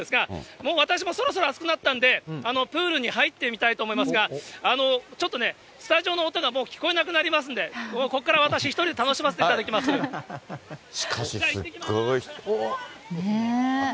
もう私もそろそろ暑くなったんで、プールに入ってみたいと思いますが、ちょっとね、スタジオの音がもう聞こえなくなりますんで、ここから私、１人でしかしすごい。いってきます！